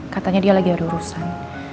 katanya dia lagi ada urusan